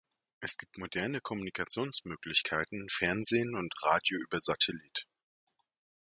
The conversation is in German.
Es gibt moderne Kommunikationsmöglichkeiten, Fernsehen und Radio über Satellit.